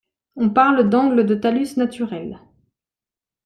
On parle d’angle de talus naturel.